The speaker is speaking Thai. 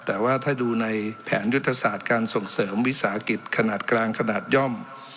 แต่ว่าถ้าดูในแผนยุทธศาสตร์การส่งเสริมวิสาหกิจขนาดกลางขนาดย่อม